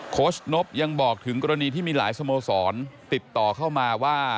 ชนบยังบอกถึงกรณีที่มีหลายสโมสรติดต่อเข้ามาว่า